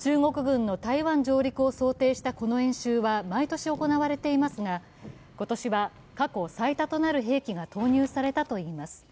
中国軍の台湾上陸を想定したこの演習は毎年行われていますが、今年は過去最多となる兵器が投入されたといいます。